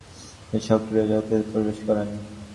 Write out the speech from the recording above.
তিনি সক্রিয় রাজনীতিতে প্রবেশ করেন।